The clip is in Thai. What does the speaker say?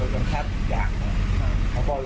แล้วตอนนี้โซเชียลมันมีมากขึ้น